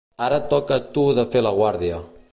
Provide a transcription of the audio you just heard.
Ara et toca a tu de fer la guàrdia.